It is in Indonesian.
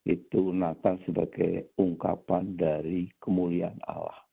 itu natal sebagai ungkapan dari kemuliaan allah